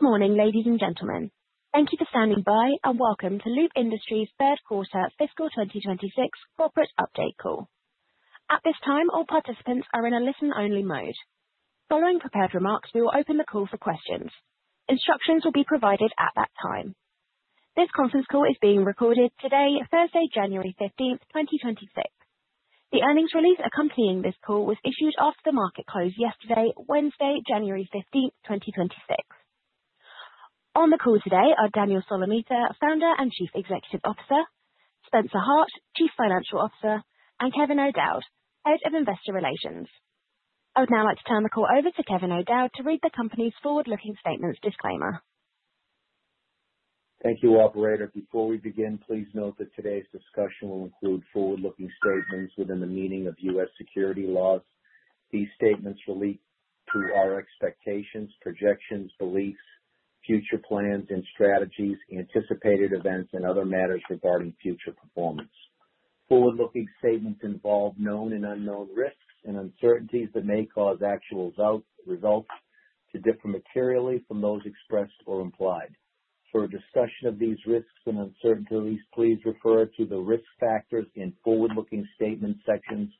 Good morning, ladies and gentlemen. Thank you for standing by, and welcome to Loop Industries' third quarter fiscal 2026 corporate update call. At this time, all participants are in a listen-only mode. Following prepared remarks, we will open the call for questions. Instructions will be provided at that time. This conference call is being recorded today, Thursday, January 15th, 2026. The earnings release accompanying this call was issued after the market closed yesterday, Wednesday, January 15th, 2026. On the call today are Daniel Solomita, Founder and Chief Executive Officer, Spencer Hart, Chief Financial Officer, and Kevin O'Dowd, Head of Investor Relations. I would now like to turn the call over to Kevin O'Dowd to read the company's forward-looking statements disclaimer. Thank you, Operator. Before we begin, please note that today's discussion will include forward-looking statements within the meaning of U.S. securities laws. These statements relate to our expectations, projections, beliefs, future plans and strategies, anticipated events, and other matters regarding future performance. Forward-looking statements involve known and unknown risks and uncertainties that may cause actual results to differ materially from those expressed or implied. For a discussion of these risks and uncertainties, please refer to the risk factors in forward-looking statements sections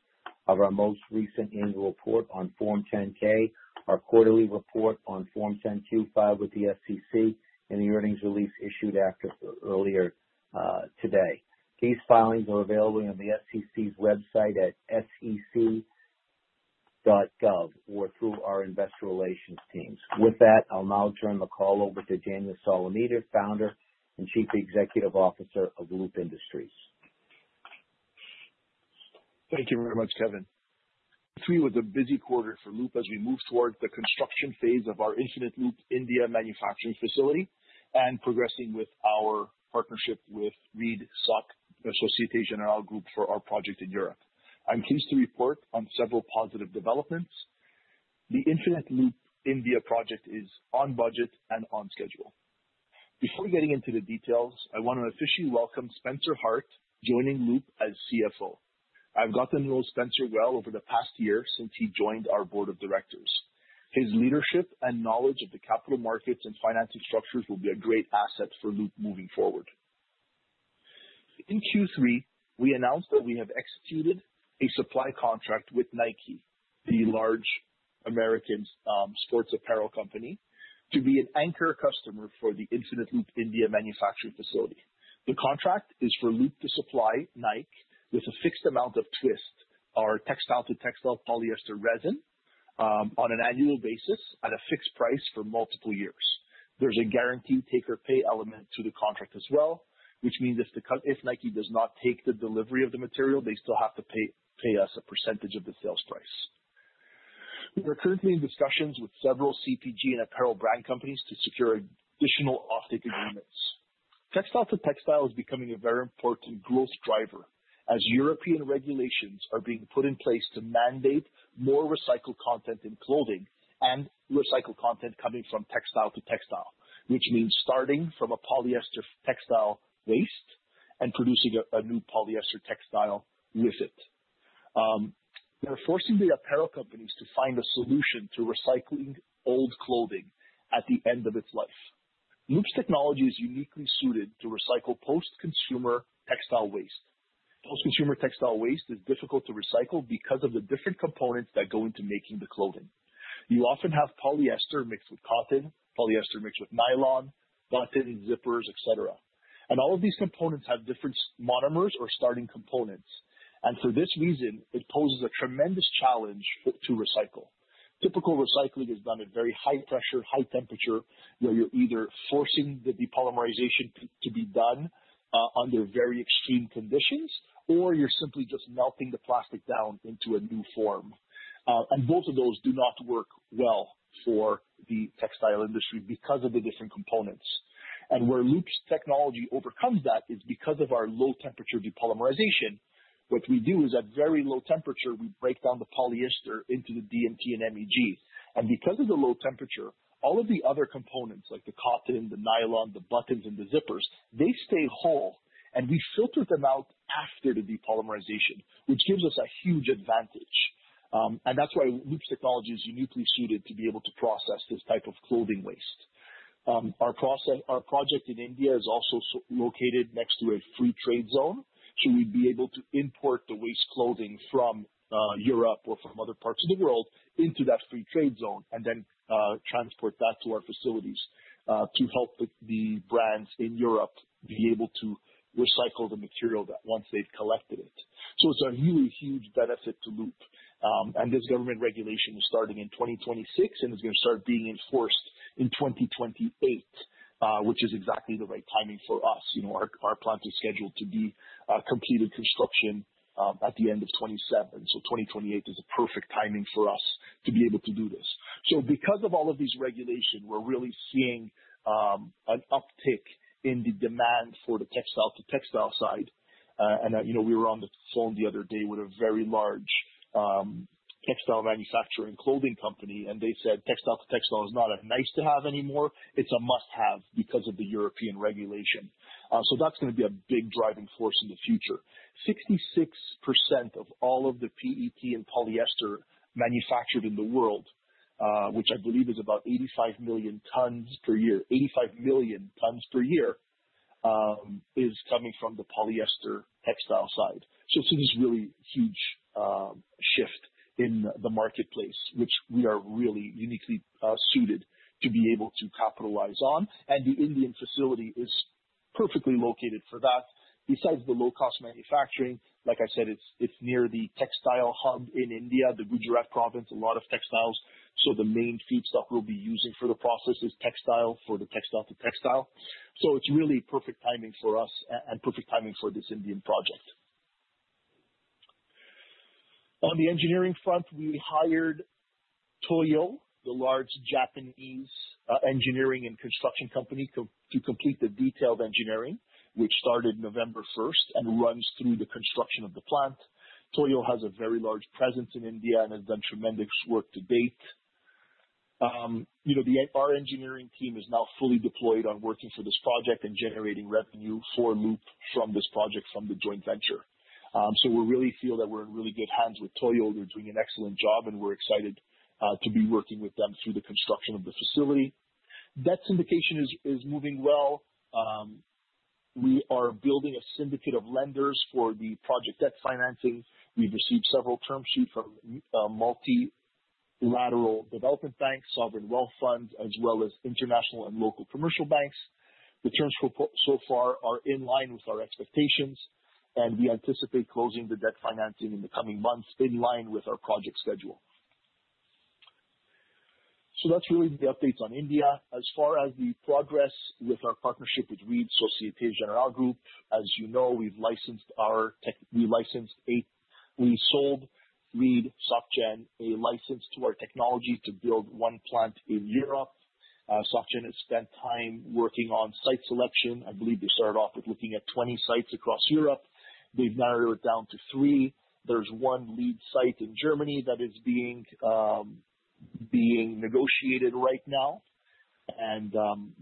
of our most recent annual report on Form 10-K, our quarterly report on Form 10-Q with the SEC, and the earnings release issued earlier today. These filings are available on the SEC's website at sec.gov or through our investor relations teams. With that, I'll now turn the call over to Daniel Solomita, Founder and Chief Executive Officer of Loop Industries. Thank you very much, Kevin. Q3 was a busy quarter for Loop as we moved towards the construction phase of our Infinite Loop India manufacturing facility and progressing with our partnership with Reed Management, Société Générale Group, for our project in Europe. I'm pleased to report on several positive developments. The Infinite Loop India project is on budget and on schedule. Before getting into the details, I want to officially welcome Spencer Hart joining Loop as CFO. I've gotten to know Spencer well over the past year since he joined our board of directors. His leadership and knowledge of the capital markets and financing structures will be a great asset for Loop moving forward. In Q3, we announced that we have executed a supply contract with Nike, the large American sports apparel company, to be an anchor customer for the Infinite Loop India manufacturing facility. The contract is for Loop to supply Nike with a fixed amount of Twist, our textile-to-textile polyester resin, on an annual basis at a fixed price for multiple years. There's a guaranteed take-or-pay element to the contract as well, which means if Nike does not take the delivery of the material, they still have to pay us a percentage of the sales price. We are currently in discussions with several CPG and apparel brand companies to secure additional offtake agreements. Textile-to-textile is becoming a very important growth driver as European regulations are being put in place to mandate more recycled content in clothing and recycled content coming from textile-to-textile, which means starting from a polyester textile waste and producing a new polyester textile with it. We're forcing the apparel companies to find a solution to recycling old clothing at the end of its life. Loop's technology is uniquely suited to recycle post-consumer textile waste. Post-consumer textile waste is difficult to recycle because of the different components that go into making the clothing. You often have polyester mixed with cotton, polyester mixed with nylon, button, zippers, etc., and all of these components have different monomers or starting components, and for this reason, it poses a tremendous challenge to recycle. Typical recycling is done at very high pressure, high temperature, where you're either forcing the depolymerization to be done under very extreme conditions, or you're simply just melting the plastic down into a new form, and both of those do not work well for the textile industry because of the different components, and where Loop's technology overcomes that is because of our low-temperature depolymerization. What we do is, at very low temperature, we break down the polyester into the DMT and MEG. And because of the low temperature, all of the other components, like the cotton, the nylon, the buttons, and the zippers, they stay whole, and we filter them out after the depolymerization, which gives us a huge advantage. And that's why Loop's technology is uniquely suited to be able to process this type of clothing waste. Our project in India is also located next to a free trade zone, so we'd be able to import the waste clothing from Europe or from other parts of the world into that free trade zone and then transport that to our facilities to help the brands in Europe be able to recycle the material once they've collected it. So it's a really huge benefit to Loop. And this government regulation is starting in 2026, and it's going to start being enforced in 2028, which is exactly the right timing for us. Our plant is scheduled to complete construction at the end of 2027, so 2028 is a perfect timing for us to be able to do this, so because of all of these regulations, we're really seeing an uptick in the demand for the textile-to-textile side, and we were on the phone the other day with a very large textile manufacturing clothing company, and they said textile-to-textile is not a nice-to-have anymore. It's a must-have because of the European regulation, so that's going to be a big driving force in the future. 66% of all of the PET and polyester manufactured in the world, which I believe is about 85 million tons per year, 85 million tons per year, is coming from the polyester textile side, so it's a really huge shift in the marketplace, which we are really uniquely suited to be able to capitalize on. The Indian facility is perfectly located for that. Besides the low-cost manufacturing, like I said, it's near the textile hub in India, the Gujarat province, a lot of textiles. The main feedstock we'll be using for the process is textile for the textile-to-textile. It's really perfect timing for us and perfect timing for this Indian project. On the engineering front, we hired Toyo, the large Japanese engineering and construction company, to complete the detailed engineering, which started November 1st and runs through the construction of the plant. Toyo has a very large presence in India and has done tremendous work to date. Our engineering team is now fully deployed on working for this project and generating revenue for Loop from this project from the joint venture. We really feel that we're in really good hands with Toyo. They're doing an excellent job, and we're excited to be working with them through the construction of the facility. Debt syndication is moving well. We are building a syndicate of lenders for the project debt financing. We've received several term sheets from multilateral development banks, sovereign wealth funds, as well as international and local commercial banks. The terms so far are in line with our expectations, and we anticipate closing the debt financing in the coming months in line with our project schedule. So that's really the updates on India. As far as the progress with our partnership with Reed Société Générale Group, as you know, we sold Reed SocGen a license to our technology to build one plant in Europe. SOCGEN has spent time working on site selection. I believe they started off with looking at 20 sites across Europe. They've narrowed it down to three. There's one lead site in Germany that is being negotiated right now, and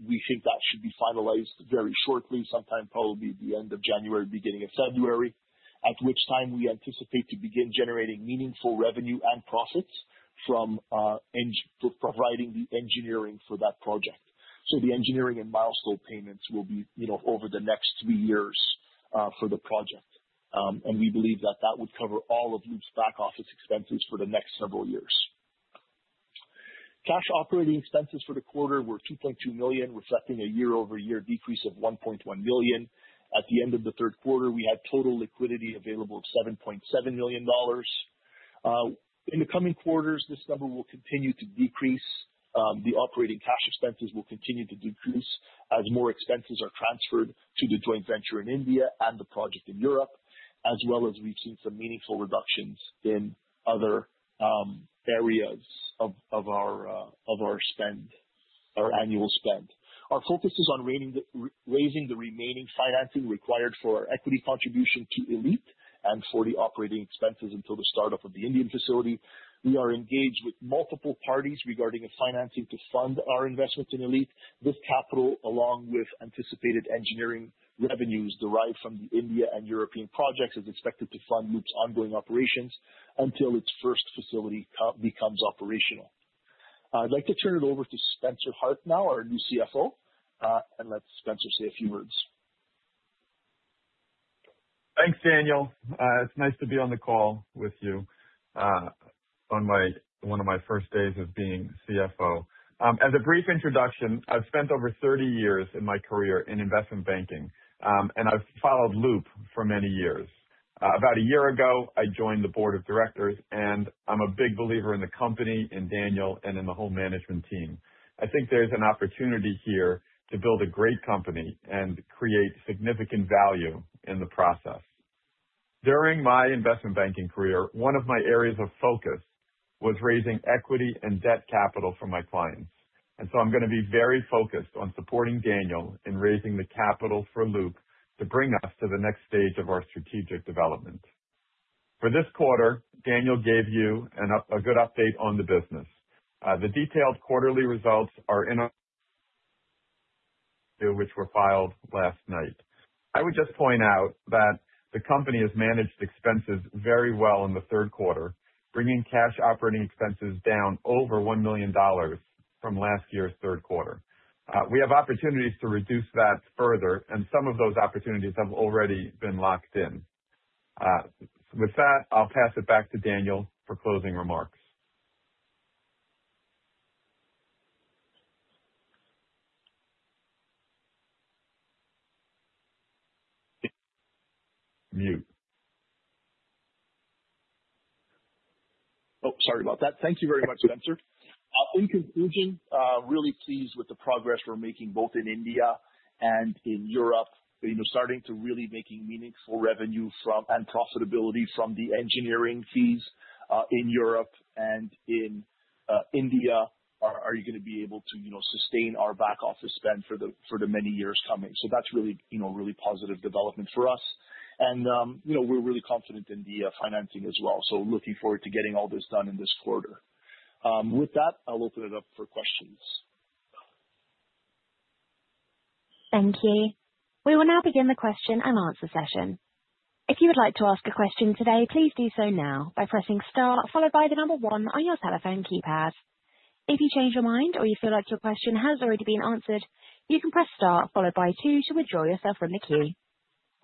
we think that should be finalized very shortly, sometime probably the end of January, beginning of February, at which time we anticipate to begin generating meaningful revenue and profits from providing the engineering for that project. So the engineering and milestone payments will be over the next three years for the project. And we believe that that would cover all of Loop's back office expenses for the next several years. Cash operating expenses for the quarter were $2.2 million, reflecting a year-over-year decrease of $1.1 million. At the end of the third quarter, we had total liquidity available of $7.7 million. In the coming quarters, this number will continue to decrease. The operating cash expenses will continue to decrease as more expenses are transferred to the joint venture in India and the project in Europe, as well as we've seen some meaningful reductions in other areas of our annual spend. Our focus is on raising the remaining financing required for our equity contribution to Elite and for the operating expenses until the startup of the Indian facility. We are engaged with multiple parties regarding financing to fund our investment in Elite. This capital, along with anticipated engineering revenues derived from the India and European projects, is expected to fund Loop's ongoing operations until its first facility becomes operational. I'd like to turn it over to Spencer Hart now, our new CFO, and let Spencer say a few words. Thanks, Daniel. It's nice to be on the call with you on one of my first days of being CFO. As a brief introduction, I've spent over 30 years in my career in investment banking, and I've followed Loop for many years. About a year ago, I joined the board of directors, and I'm a big believer in the company and Daniel and in the whole management team. I think there's an opportunity here to build a great company and create significant value in the process. During my investment banking career, one of my areas of focus was raising equity and debt capital for my clients, and so I'm going to be very focused on supporting Daniel in raising the capital for Loop to bring us to the next stage of our strategic development. For this quarter, Daniel gave you a good update on the business. The detailed quarterly results are in our report, which were filed last night. I would just point out that the company has managed expenses very well in the third quarter, bringing cash operating expenses down over $1 million from last year's third quarter. We have opportunities to reduce that further, and some of those opportunities have already been locked in. With that, I'll pass it back to Daniel for closing remarks. Mute. Oh, sorry about that. Thank you very much, Spencer. In conclusion, I'm really pleased with the progress we're making both in India and in Europe, starting to really make meaningful revenue and profitability from the engineering fees in Europe and in India. Are you going to be able to sustain our back office spend for the many years coming? So that's really a really positive development for us. And we're really confident in the financing as well. So looking forward to getting all this done in this quarter. With that, I'll open it up for questions. Thank you. We will now begin the question and answer session. If you would like to ask a question today, please do so now by pressing star, followed by the number one on your telephone keypad. If you change your mind or you feel like your question has already been answered, you can press star, followed by two, to withdraw yourself from the queue.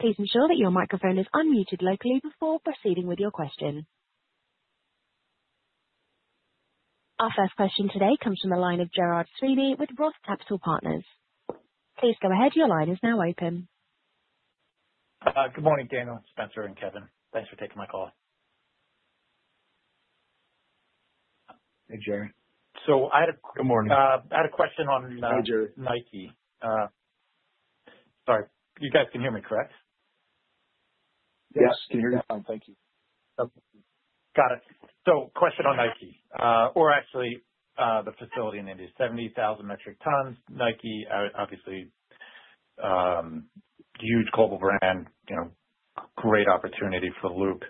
Please ensure that your microphone is unmuted locally before proceeding with your question. Our first question today comes from the line of Gerard Sweeney with Roth Capital Partners. Please go ahead. Your line is now open. Good morning, Daniel, Spencer, and Kevin. Thanks for taking my call. Hey, Jerry. So I had a question. Good morning. I had a question on Nike. Hey, Jerry. Sorry. You guys can hear me, correct? Yes, can hear you fine. Thank you. Got it. So, question on Nike, or actually the facility in India, 70,000 metric tons. Nike, obviously, huge global brand, great opportunity for Loop.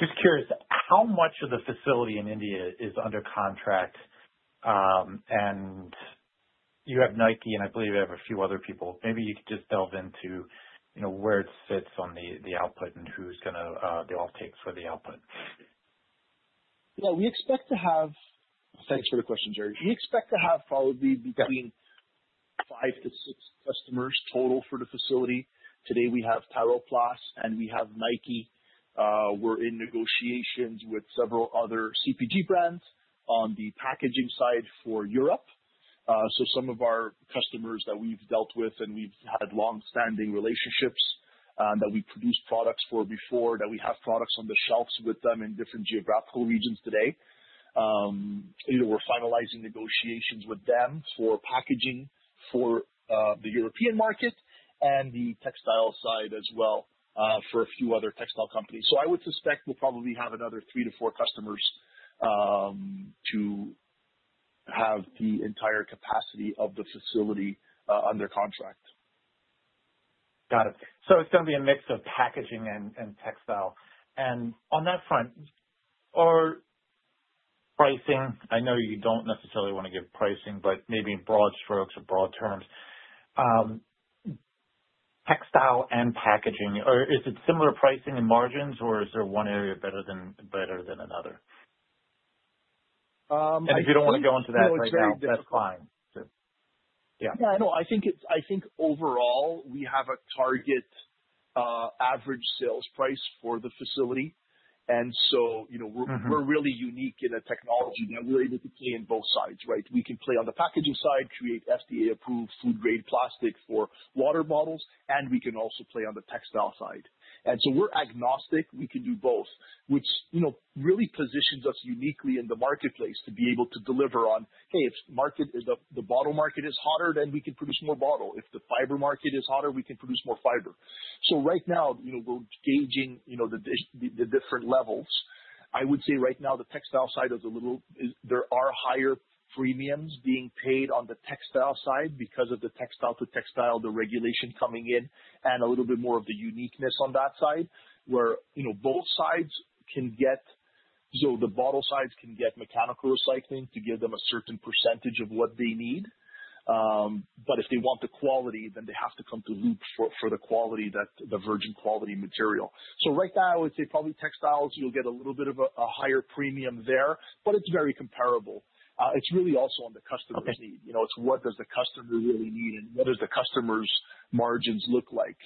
Just curious, how much of the facility in India is under contract? And you have Nike, and I believe you have a few other people. Maybe you could just delve into where it sits on the output and who's going to do offtake for the output. Yeah, we expect to have. Thanks for the question, Jerry. We expect to have probably between five to six customers total for the facility. Today, we have Tyrell Plus, and we have Nike. We're in negotiations with several other CPG brands on the packaging side for Europe. So some of our customers that we've dealt with and we've had long-standing relationships that we produced products for before, that we have products on the shelves with them in different geographical regions today. We're finalizing negotiations with them for packaging for the European market and the textile side as well for a few other textile companies. So I would suspect we'll probably have another three to four customers to have the entire capacity of the facility under contract. Got it, so it's going to be a mix of packaging and textile, and on that front, are pricing (I know you don't necessarily want to give pricing, but maybe in broad strokes or broad terms) textile and packaging, is it similar pricing and margins, or is there one area better than another, and if you don't want to go into that right now, that's fine. Yeah. Yeah. No, I think overall, we have a target average sales price for the facility. And so we're really unique in a technology that we're able to play in both sides, right? We can play on the packaging side, create FDA-approved food-grade plastic for water bottles, and we can also play on the textile side. And so we're agnostic. We can do both, which really positions us uniquely in the marketplace to be able to deliver on, "Hey, if the bottle market is hotter, then we can produce more bottle. If the fiber market is hotter, we can produce more fiber." So right now, we're gauging the different levels. I would say right now, the textile side of the Loop, there are higher premiums being paid on the textile side because of the textile-to-textile, the regulation coming in, and a little bit more of the uniqueness on that side where both sides can get, so the bottle sides can get mechanical recycling to give them a certain percentage of what they need. But if they want the quality, then they have to come to Loop for the quality that the virgin quality material. So right now, I would say probably textiles, you'll get a little bit of a higher premium there, but it's very comparable. It's really also on the customer's need. It's what does the customer really need, and what does the customer's margins look like?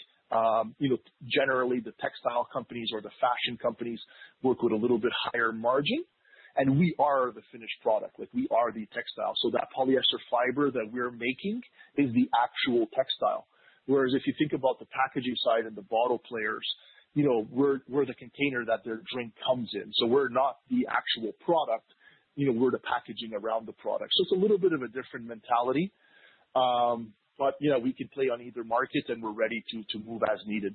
Generally, the textile companies or the fashion companies work with a little bit higher margin, and we are the finished product. We are the textile. So that polyester fiber that we're making is the actual textile. Whereas if you think about the packaging side and the bottle players, we're the container that their drink comes in. So we're not the actual product. We're the packaging around the product. So it's a little bit of a different mentality, but we can play on either market, and we're ready to move as needed.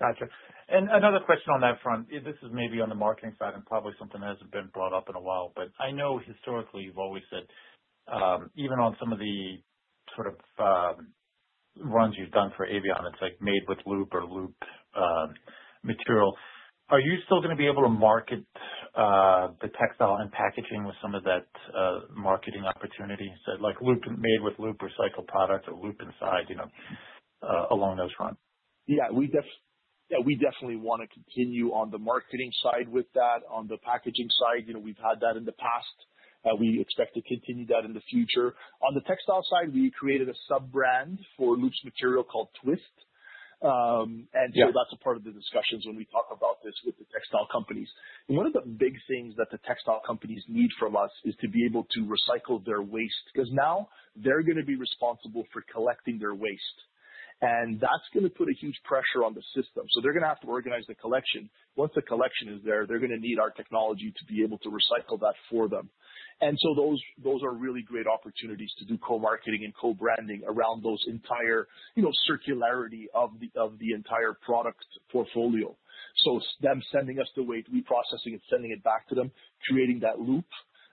Gotcha. And another question on that front. This is maybe on the marketing side and probably something that hasn't been brought up in a while, but I know historically you've always said, even on some of the sort of runs you've done for Evian, it's made with Loop or Loop material. Are you still going to be able to market the textile and packaging with some of that marketing opportunity? So like Loop Made with Loop recycled product or Loop Inside, along those fronts? Yeah. We definitely want to continue on the marketing side with that. On the packaging side, we've had that in the past. We expect to continue that in the future. On the textile side, we created a sub-brand for Loop's material called Twist, and so that's a part of the discussions when we talk about this with the textile companies. One of the big things that the textile companies need from us is to be able to recycle their waste because now they're going to be responsible for collecting their waste. And that's going to put a huge pressure on the system, so they're going to have to organize the collection. Once the collection is there, they're going to need our technology to be able to recycle that for them. And so those are really great opportunities to do co-marketing and co-branding around those entire circularity of the entire product portfolio. So them sending us the waste, we processing it, sending it back to them, creating that loop,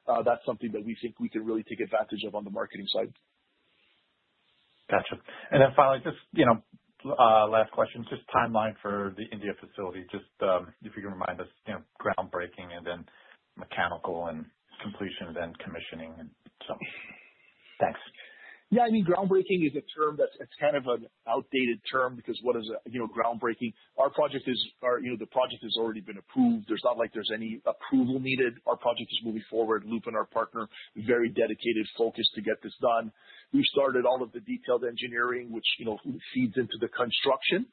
that's something that we think we can really take advantage of on the marketing side. Gotcha. And then finally, just last question, just timeline for the India facility. Just if you can remind us, groundbreaking and then mechanical and completion and then commissioning, and so on. Thanks. Yeah. I mean, groundbreaking is a term that's kind of an outdated term because what is groundbreaking? Our project is the project has already been approved. There's not like there's any approval needed. Our project is moving forward. Loop and our partner, very dedicated, focused to get this done. We've started all of the detailed engineering, which feeds into the construction.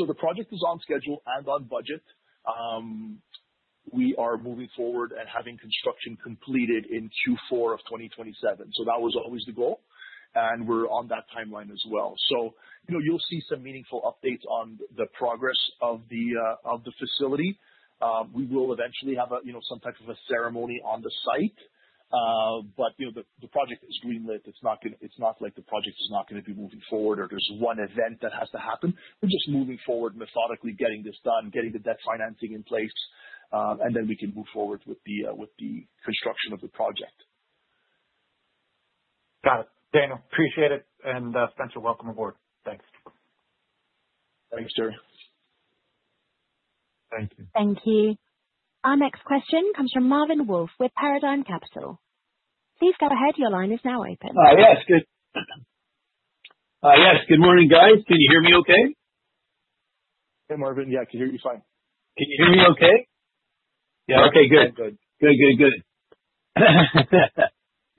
So the project is on schedule and on budget. We are moving forward and having construction completed in Q4 of 2027. So that was always the goal, and we're on that timeline as well. So you'll see some meaningful updates on the progress of the facility. We will eventually have some type of a ceremony on the site. But the project is greenlit. It's not like the project is not going to be moving forward or there's one event that has to happen. We're just moving forward methodically, getting this done, getting the debt financing in place, and then we can move forward with the construction of the project. Got it. Daniel, appreciate it. And Spencer, welcome aboard. Thanks. Thanks, Jerry. Thank you. Thank you. Our next question comes from Marvin Wolff with Paradigm Capital. Please go ahead. Your line is now open. Hi. Yes. Good. Yes. Good morning, guys. Can you hear me okay? Hey, Marvin. Yeah, I can hear you fine. Can you hear me okay? Yeah. Okay. Good. Sounds good. Good, good, good.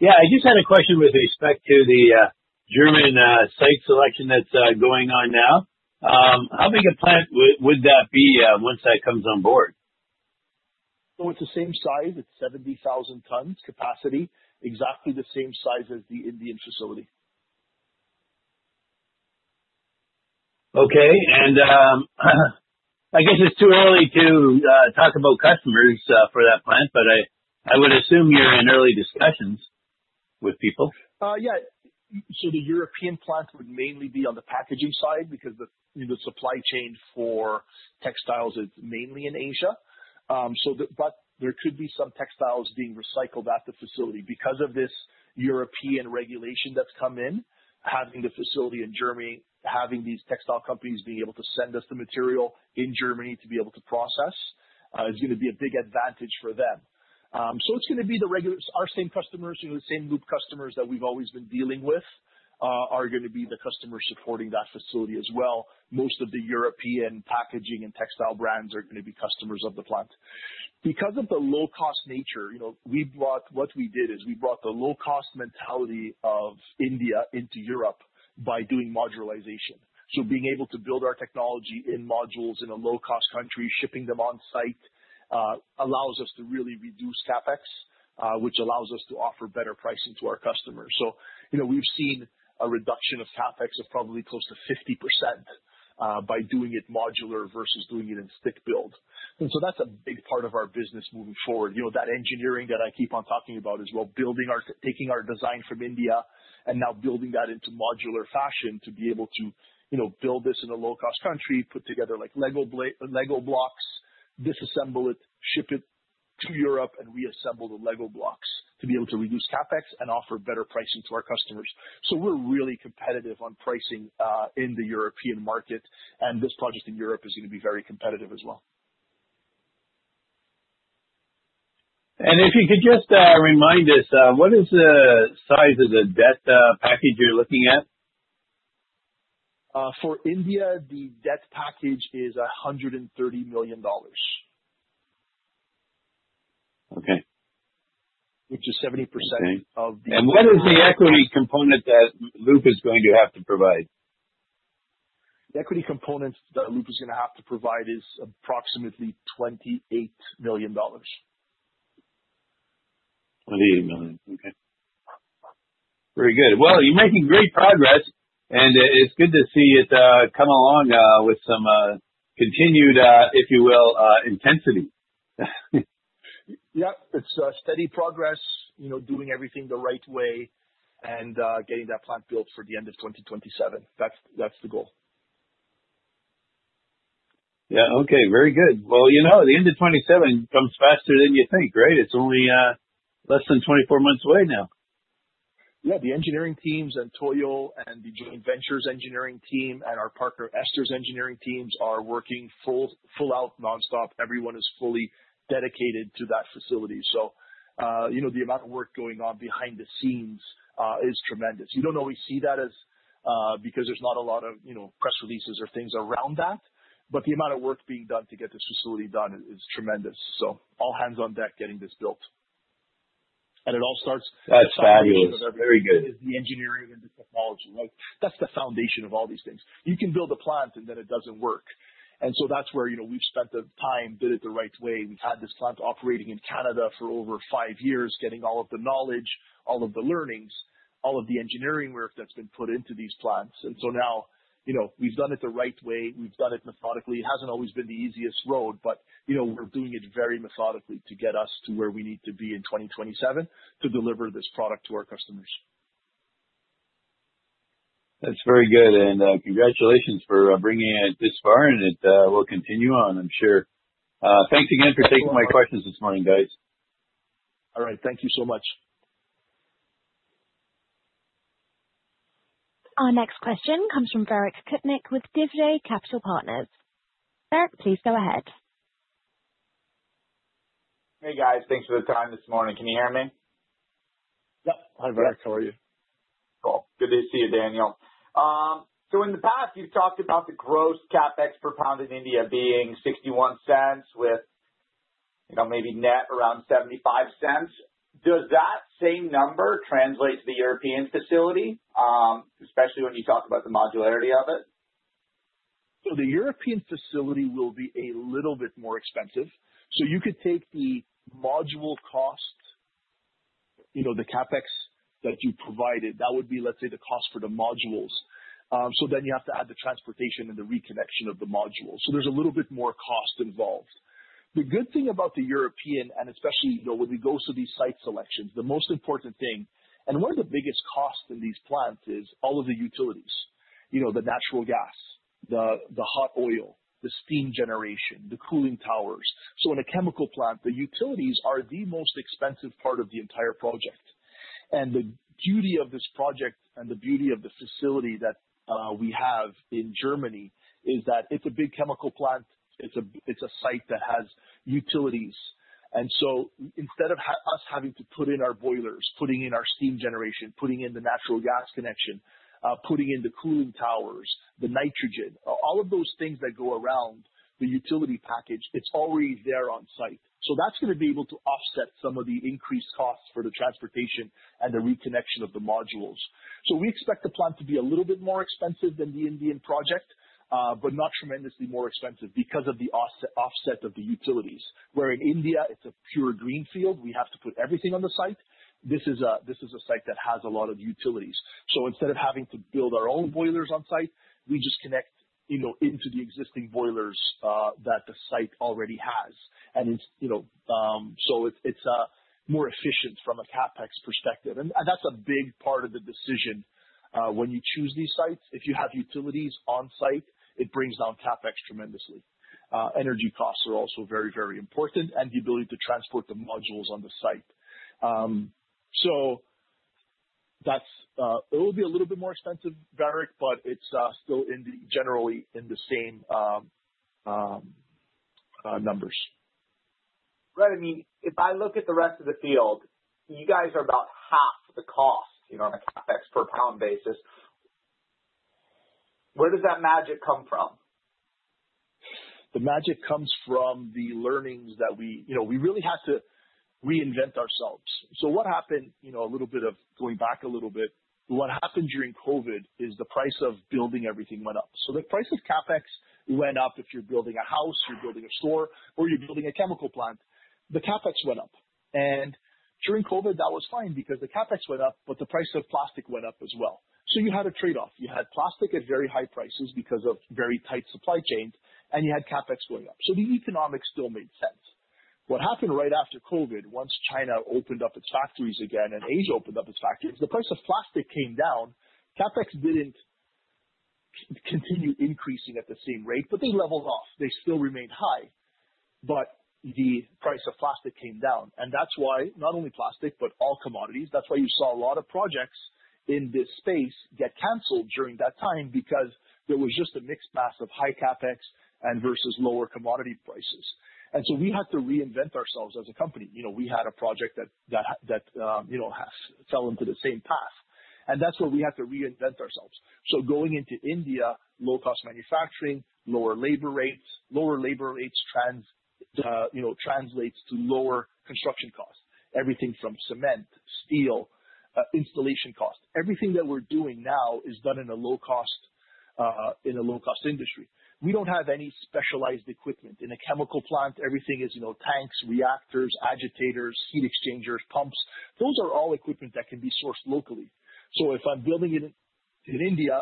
Yeah. I just had a question with respect to the German site selection that's going on now. How big a plant would that be once that comes on board? So it's the same size. It's 70,000 tons capacity, exactly the same size as the Indian facility. Okay, and I guess it's too early to talk about customers for that plant, but I would assume you're in early discussions with people. Yeah, so the European plant would mainly be on the packaging side because the supply chain for textiles is mainly in Asia, but there could be some textiles being recycled at the facility. Because of this European regulation that's come in, having the facility in Germany, having these textile companies being able to send us the material in Germany to be able to process is going to be a big advantage for them, so it's going to be the regular our same customers, the same Loop customers that we've always been dealing with are going to be the customers supporting that facility as well. Most of the European packaging and textile brands are going to be customers of the plant. Because of the low-cost nature, what we did is we brought the low-cost mentality of India into Europe by doing modularization. So being able to build our technology in modules in a low-cost country, shipping them on-site allows us to really reduce CapEx, which allows us to offer better pricing to our customers. So we've seen a reduction of CapEx of probably close to 50% by doing it modular versus doing it in stick build. And so that's a big part of our business moving forward. That engineering that I keep on talking about as well, taking our design from India and now building that into modular fashion to be able to build this in a low-cost country, put together Lego blocks, disassemble it, ship it to Europe, and reassemble the Lego blocks to be able to reduce CapEx and offer better pricing to our customers. So we're really competitive on pricing in the European market, and this project in Europe is going to be very competitive as well. If you could just remind us, what is the size of the debt package you're looking at? For India, the debt package is $130 million, which is 70% of the. Okay. And what is the equity component that Loop is going to have to provide? The equity component that Loop is going to have to provide is approximately $28 million. $28 million. Okay. Very good. Well, you're making great progress, and it's good to see it come along with some continued, if you will, intensity. Yep. It's steady progress, doing everything the right way, and getting that plant built for the end of 2027. That's the goal. Yeah. Okay. Very good. Well, the end of 2027 comes faster than you think, right? It's only less than 24 months away now. Yeah. The engineering teams and Toyo and the joint venture's engineering team and our partner Ester's engineering teams are working full out, nonstop. Everyone is fully dedicated to that facility. The amount of work going on behind the scenes is tremendous. You don't always see that because there's not a lot of press releases or things around that, but the amount of work being done to get this facility done is tremendous. All hands on deck getting this built. It all starts with the engineering and the technology, right? That's the foundation of all these things. You can build a plant, and then it doesn't work. That's where we've spent the time, did it the right way. We've had this plant operating in Canada for over five years, getting all of the knowledge, all of the learnings, all of the engineering work that's been put into these plants, and so now we've done it the right way. We've done it methodically. It hasn't always been the easiest road, but we're doing it very methodically to get us to where we need to be in 2027 to deliver this product to our customers. That's very good, and congratulations for bringing it this far, and it will continue on, I'm sure. Thanks again for taking my questions this morning, guys. All right. Thank you so much. Our next question comes from Varyk Kutnick with Divyde Capital Partners. Varyk, please go ahead. Hey, guys. Thanks for the time this morning. Can you hear me? Yep. Hi, Varyk. How are you? Cool. Good to see you, Daniel. So in the past, you've talked about the gross CapEx per pound in India being $0.61 with maybe net around $0.75. Does that same number translate to the European facility, especially when you talk about the modularity of it? So the European facility will be a little bit more expensive. So you could take the module cost, the CapEx that you provided. That would be, let's say, the cost for the modules. So then you have to add the transportation and the reconnection of the modules. So there's a little bit more cost involved. The good thing about the European, and especially when we go to these site selections, the most important thing, and one of the biggest costs in these plants is all of the utilities: the natural gas, the hot oil, the steam generation, the cooling towers. So in a chemical plant, the utilities are the most expensive part of the entire project. And the beauty of this project and the beauty of the facility that we have in Germany is that it's a big chemical plant. It's a site that has utilities. And so, instead of us having to put in our boilers, putting in our steam generation, putting in the natural gas connection, putting in the cooling towers, the nitrogen, all of those things that go around the utility package, it's already there on-site. So that's going to be able to offset some of the increased costs for the transportation and the reconnection of the modules. So we expect the plant to be a little bit more expensive than the Indian project, but not tremendously more expensive because of the offset of the utilities. Where in India, it's a pure greenfield. We have to put everything on the site. This is a site that has a lot of utilities. So instead of having to build our own boilers on-site, we just connect into the existing boilers that the site already has. And so it's more efficient from a CapEx perspective. And that's a big part of the decision. When you choose these sites, if you have utilities on-site, it brings down CapEx tremendously. Energy costs are also very, very important, and the ability to transport the modules on the site. So it will be a little bit more expensive, Varyk, but it's still generally in the same numbers. Right. I mean, if I look at the rest of the field, you guys are about half the cost on a CapEx per pound basis. Where does that magic come from? The magic comes from the learnings that we really have to reinvent ourselves. So what happened a little bit of going back a little bit, what happened during COVID is the price of building everything went up. So the price of CapEx went up if you're building a house, you're building a store, or you're building a chemical plant. The CapEx went up. And during COVID, that was fine because the CapEx went up, but the price of plastic went up as well. So you had a trade-off. You had plastic at very high prices because of very tight supply chains, and you had CapEx going up. So the economics still made sense. What happened right after COVID, once China opened up its factories again and Asia opened up its factories, the price of plastic came down. CapEx didn't continue increasing at the same rate, but they leveled off. They still remained high, but the price of plastic came down, and that's why not only plastic, but all commodities. That's why you saw a lot of projects in this space get canceled during that time because there was just a mixed mass of high CapEx versus lower commodity prices, and so we had to reinvent ourselves as a company. We had a project that fell into the same path, and that's where we had to reinvent ourselves, so going into India, low-cost manufacturing, lower labor rates, lower labor rates translates to lower construction costs. Everything from cement, steel, installation costs. Everything that we're doing now is done in a low-cost industry. We don't have any specialized equipment. In a chemical plant, everything is tanks, reactors, agitators, heat exchangers, pumps. Those are all equipment that can be sourced locally. So if I'm building it in India,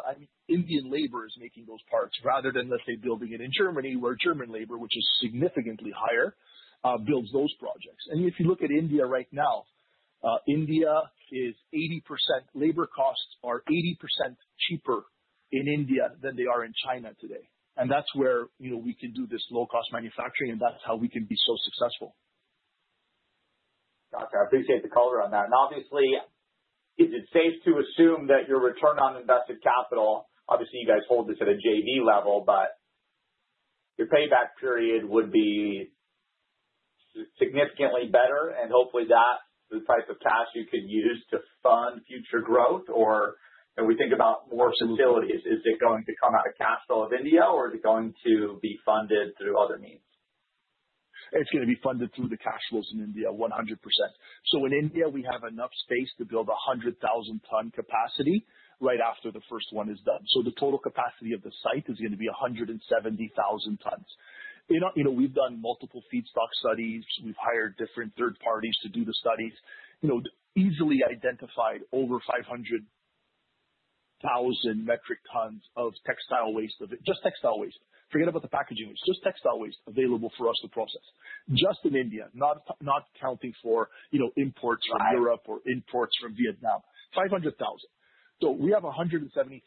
Indian labor is making those parts rather than, let's say, building it in Germany where German labor, which is significantly higher, builds those projects. And if you look at India right now, labor costs are 80% cheaper in India than they are in China today. And that's where we can do this low-cost manufacturing, and that's how we can be so successful. Gotcha. I appreciate the color on that. And obviously, is it safe to assume that your return on invested capital? Obviously, you guys hold this at a JV level, but your payback period would be significantly better. And hopefully, that's the type of cash you could use to fund future growth. Or if we think about more facilities, is it going to come out of cash flow of India, or is it going to be funded through other means? It's going to be funded through the cash flows in India, 100%. So in India, we have enough space to build a 100,000-ton capacity right after the first one is done. So the total capacity of the site is going to be 170,000 tons. We've done multiple feedstock studies. We've hired different third parties to do the studies, easily identified over 500,000 metric tons of textile waste, just textile waste. Forget about the packaging waste. Just textile waste available for us to process, just in India, not counting for imports from Europe or imports from Vietnam, 500,000. So we have 170,000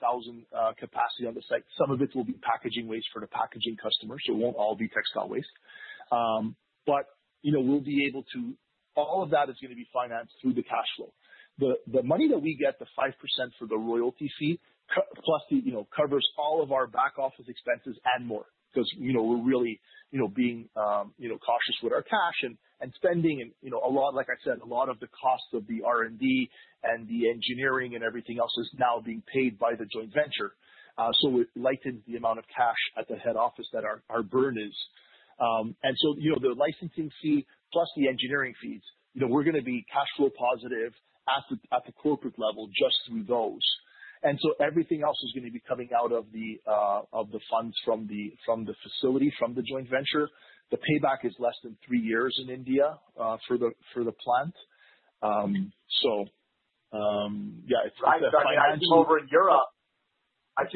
capacity on the site. Some of it will be packaging waste for the packaging customers, so it won't all be textile waste. But we'll be able to all of that is going to be financed through the cash flow. The money that we get, the 5% for the royalty fee plus the covers all of our back office expenses and more because we're really being cautious with our cash and spending. And like I said, a lot of the cost of the R&D and the engineering and everything else is now being paid by the joint venture. So we've lightened the amount of cash at the head office that our burn is. And so the licensing fee plus the engineering fees, we're going to be cash flow positive at the corporate level just through those. And so everything else is going to be coming out of the funds from the facility, from the joint venture. The payback is less than three years in India for the plant. So yeah, it's financed. I came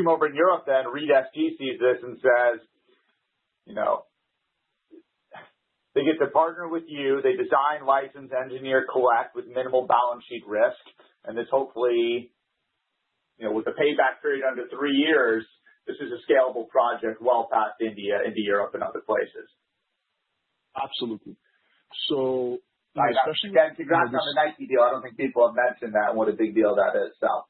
over in Europe then. Reed Management sees this and says, "They get to partner with you. They design, license, engineer, collect with minimal balance sheet risk." And hopefully, with the payback period under three years, this is a scalable project well past India, Europe, and other places. Absolutely. So especially. Nice. Thanks again for the Nike deal. I don't think people have mentioned that, and what a big deal that is, so.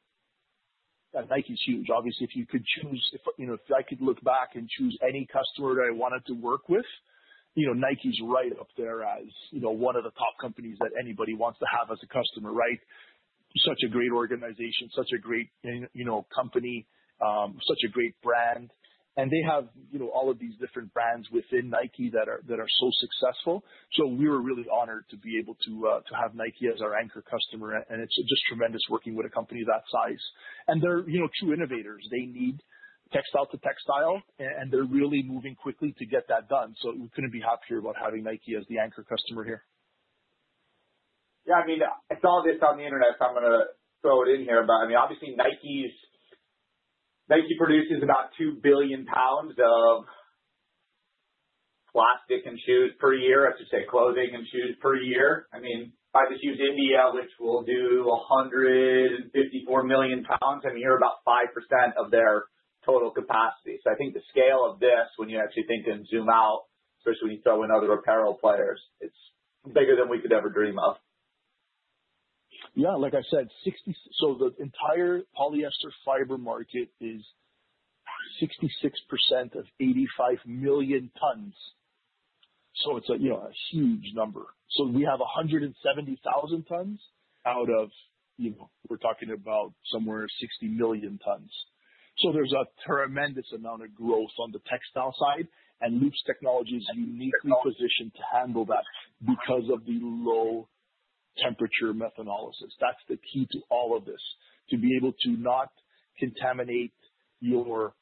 Yeah. Nike's huge. Obviously, if you could choose, if I could look back and choose any customer that I wanted to work with, Nike's right up there as one of the top companies that anybody wants to have as a customer, right? Such a great organization, such a great company, such a great brand. And they have all of these different brands within Nike that are so successful. So we were really honored to be able to have Nike as our anchor customer. And it's just tremendous working with a company that size. And they're true innovators. They need textile to textile, and they're really moving quickly to get that done. So we couldn't be happier about having Nike as the anchor customer here. Yeah. I mean, it's all this on the internet, so I'm going to throw it in here. But I mean, obviously, Nike produces about 2 billion pounds of plastic and shoes per year. I should say clothing and shoes per year. I mean, if I just use India, which will do 154 million pounds, I'm here about 5% of their total capacity. So I think the scale of this, when you actually think and zoom out, especially when you throw in other apparel players, it's bigger than we could ever dream of. Yeah. Like I said, so the entire polyester fiber market is 66% of 85 million tons. So it's a huge number. So we have 170,000 tons out of. We're talking about somewhere 60 million tons. So there's a tremendous amount of growth on the textile side. And Loop's Technology is uniquely positioned to handle that because of the low temperature methanolysis. That's the key to all of this, to be able to not contaminate your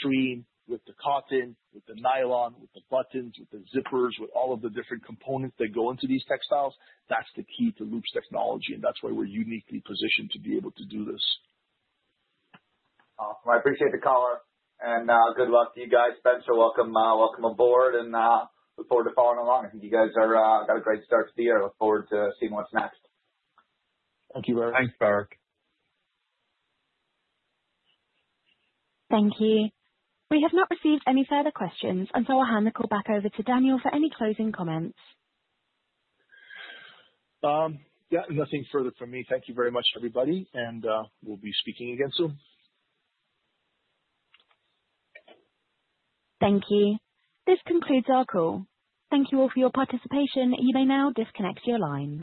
stream with the cotton, with the nylon, with the buttons, with the zippers, with all of the different components that go into these textiles. That's the key to Loop's Technology. And that's why we're uniquely positioned to be able to do this. Awesome. I appreciate the color. And good luck to you guys. Spencer, welcome aboard and look forward to following along. I think you guys have got a great start to the year. Look forward to seeing what's next. Thank you, Varyk. Thanks, Varick. Thank you. We have not received any further questions, and so I'll hand the call back over to Daniel for any closing comments. Yeah. Nothing further from me. Thank you very much, everybody, and we'll be speaking again soon. Thank you. This concludes our call. Thank you all for your participation. You may now disconnect your lines.